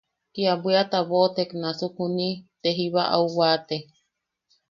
Kia bwiata boʼotek nasuk juni te jiba au waate.